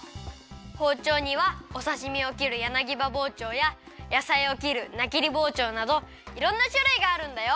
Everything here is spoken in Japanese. ほうちょうにはおさしみを切るやなぎばぼうちょうややさいを切るなきりぼうちょうなどいろんなしゅるいがあるんだよ。